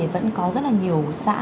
vẫn có rất là nhiều xã